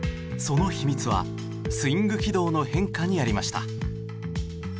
その秘密はスイング軌道の変化にありました。